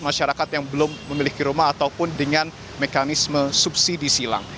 masyarakat yang belum memiliki rumah ataupun dengan mekanisme subsidi silang